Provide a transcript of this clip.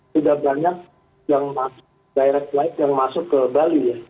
sudah banyak yang masuk directlight yang masuk ke bali ya